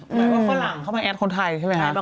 หมายว่าฝรั่งเข้ามาแอดคนไทยใช่ไหมคะ